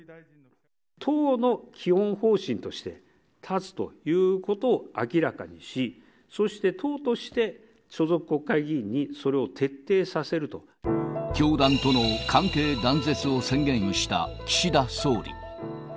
党の基本方針として、絶つということを明らかにし、そして党として、所属国会議員に教団との関係断絶を宣言した岸田総理。